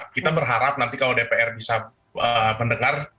kita berharap nanti kalau dpr bisa mendengar